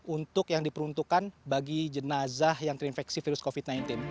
untuk yang diperuntukkan bagi jenazah yang terinfeksi virus covid sembilan belas